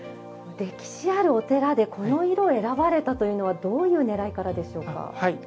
歴史あるお寺でこの色を選ばれたというのはどういうねらいからでしょうか？